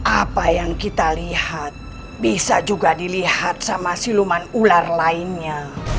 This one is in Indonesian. apa yang kita lihat bisa juga dilihat sama siluman ular lainnya